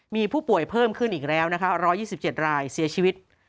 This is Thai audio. มีผู้ป่วยเพิ่มขึ้นอีกแล้วนะคะ๑๒๗รายเสียชีวิต